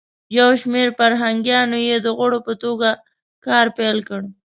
یو شمیر فرهنګیانو یی د غړو په توګه کار پیل کړ.